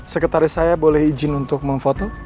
sekretaris saya boleh izin untuk memfoto